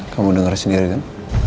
kamu denger sendiri kan